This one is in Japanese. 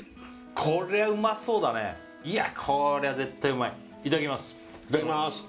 これうまそうだねいやこれは絶対うまいいただきますいただきます